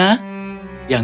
yang dikutuk untuk berpakaian